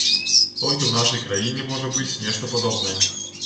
Толькі ў нашай краіне можа быць нешта падобнае.